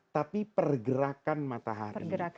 tapi pergerakan matahari